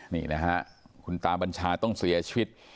นี่นะฮะคุณตาบัญชาต้องเสียชีวิต